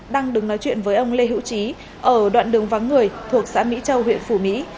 đang đứng nói chuyện với ông lê hữu trí ở đoạn đường vắng người thuộc xã mỹ châu huyện phủ mỹ